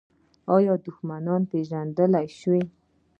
آیا دښمنان پیژندل شوي؟